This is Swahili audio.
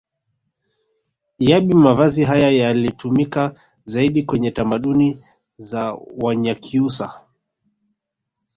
Iyabi mavazi haya yalitumika zaidi kwenye tamaduni za wanyakyusa